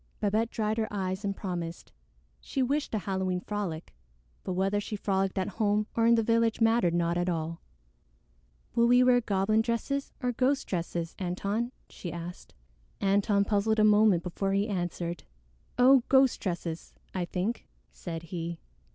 Babette dried her eyes and promised. She wished a Halloween frolic, but whether she frolicked at home or in the village mattered not at all. "Will we wear goblin dresses or ghost dresses, Antone?" she asked. Antone puzzled a moment before he answered. "Oh, ghost dresses, I think," said he.